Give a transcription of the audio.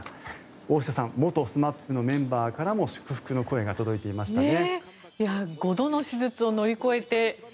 大下さん元ＳＭＡＰのメンバーからも祝福の声が届いていましたね。